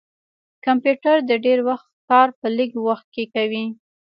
کمپیوټر د ډير وخت کار په لږ وخت کښې کوي